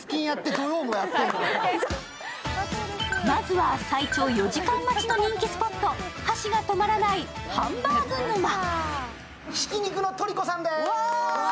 まずは最長４時間待ちの人気スポット、箸が止まらないハンバーグ沼。